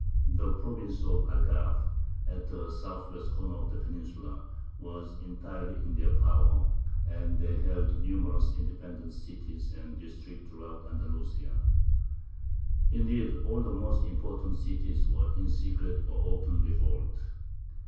The province of Algarve, at the south west corner of the peninsula, was entirely in their power; and they held numerous independent cities and districts throughout Andalusia. Indeed all the most important cities were in secret or open revolt.